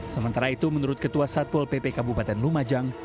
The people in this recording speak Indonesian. sementara itu menurut ketua satpol pp kabupaten lumajang